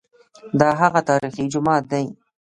دا هغه تاریخي جومات دی.